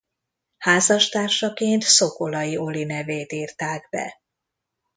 Házastársaként Szokolai Oli nevét írták be.